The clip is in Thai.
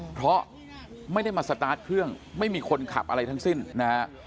เพราะไม่ได้มาสตาร์ทเครื่องไม่มีคนขับอะไรทั้งสิ้นนะฮะ